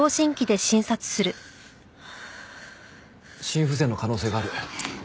心不全の可能性がある。